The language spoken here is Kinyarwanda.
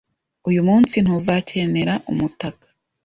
Uyu munsi, ntuzakenera umutaka.